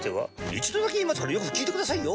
一度だけ言いますからよく聞いてくださいよ。